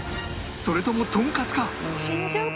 それともとんかつか？